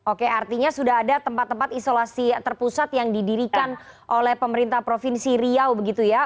oke artinya sudah ada tempat tempat isolasi terpusat yang didirikan oleh pemerintah provinsi riau begitu ya